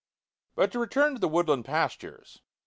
But to return to the woodland pastures.